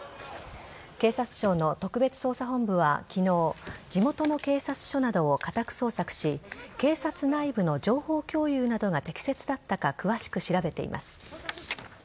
警察庁の特別捜査本部は昨日地元の警察署などを家宅捜索し警察内部の情報共有などが適切だったか詳しく調べています。